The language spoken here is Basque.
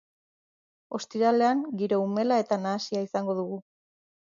Ostiralean giro umela eta nahasia izango dugu.